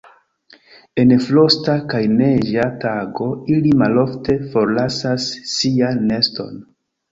En frosta kaj neĝa tago ili malofte forlasas sian neston.